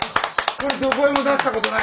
これどこにも出したことない？